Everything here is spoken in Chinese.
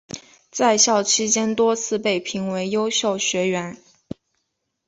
在校期间多次被评为优秀学员。